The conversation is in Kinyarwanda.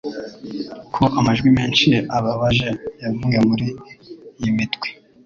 ko amajwi menshi ababaje yavuye muriyi mitwe